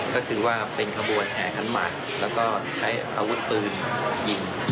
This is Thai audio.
ก็ถือว่าเป็นขบวนแห่คันใหม่แล้วก็ใช้อาวุธปืนยิง